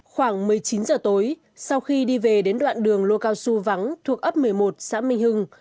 khoảng một mươi chín giờ tối sau khi đi về đến đoạn đường lô cao xu vắng thuộc ấp một mươi một xã minh hưng